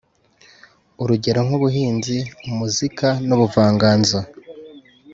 urugero nk’ubuhinzi, umuzika n’ubuvanganzo,